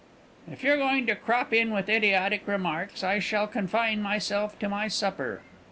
"If you are going to crop in with idiotic remarks, I shall confine myself to my supper."